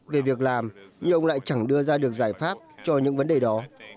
về việc làm nhưng ông lại chẳng đưa ra được giải pháp cho những vấn đề đó